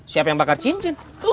siapa yang bakar cincin